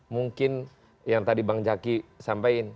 mungkin yang tadi bang jaki sampaikan